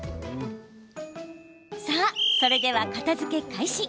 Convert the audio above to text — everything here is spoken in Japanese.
さあ、それでは片づけ開始！